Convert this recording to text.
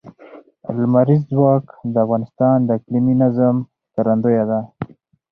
لمریز ځواک د افغانستان د اقلیمي نظام ښکارندوی ده.